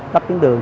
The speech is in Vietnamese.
cấp tuyến đường